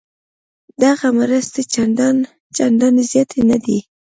دغه مرستې چندانې زیاتې نه دي.